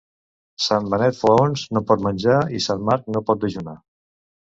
Sant Benet flaons no pot menjar i Sant Marc no pot dejunar.